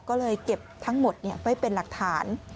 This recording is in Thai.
ก็เลยเก็บทั้งหมดไว้เป็นหลักฐาน